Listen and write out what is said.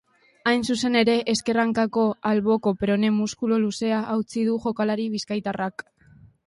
Hain zuzen ere, ezker hankako alboko perone-muskulu luzea hautsi du jokalari bizkaitarrak.